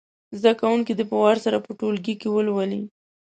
زده کوونکي دې په وار سره په ټولګي کې ولولي.